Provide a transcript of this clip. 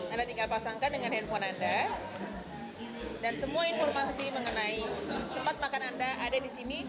anda tinggal pasangkan dengan handphone anda dan semua informasi mengenai tempat makan anda ada di sini